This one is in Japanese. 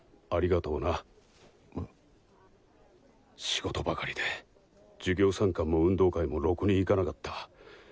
仕事ばかりで授業参観も運動会もろくに行かなかった。